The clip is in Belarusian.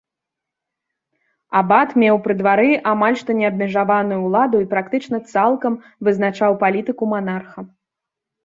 Абат меў пры двары амаль што неабмежаваную ўладу і практычна цалкам вызначаў палітыку манарха.